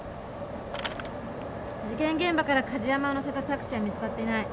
事件現場から梶山を乗せたタクシーは見つかっていない。